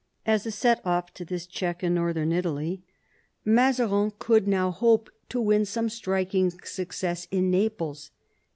As a set off to this check in North Italy, Mazarin could now hope to win some striking success in Naples.